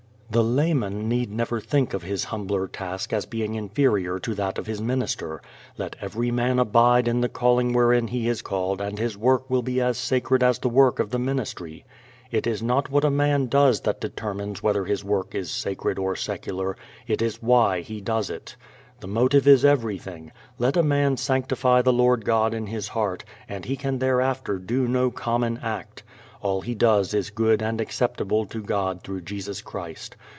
The "layman" need never think of his humbler task as being inferior to that of his minister. Let every man abide in the calling wherein he is called and his work will be as sacred as the work of the ministry. It is not what a man does that determines whether his work is sacred or secular, it is why he does it. The motive is everything. Let a man sanctify the Lord God in his heart and he can thereafter do no common act. All he does is good and acceptable to God through Jesus Christ.